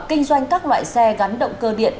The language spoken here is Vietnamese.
kinh doanh các loại xe gắn động cơ điện